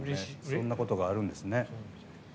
そんなことがあるんですね。